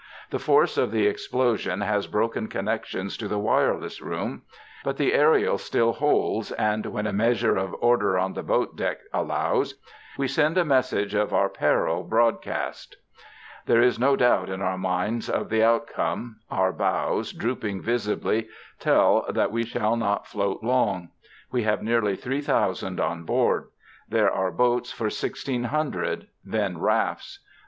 The force of the explosion has broken connections to the wireless room, but the aerial still holds and, when a measure of order on the boatdeck allows, we send a message of our peril broadcast. There is no doubt in our minds of the outcome. Our bows, drooping visibly, tell that we shall not float long. We have nearly three thousand on board. There are boats for sixteen hundred then rafts.